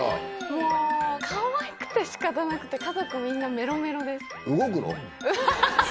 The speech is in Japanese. もうかわいくてしかたなくて、家族みんなめろめろです。